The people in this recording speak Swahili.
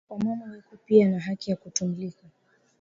Wa mama weko piya na haki ya ku tumIka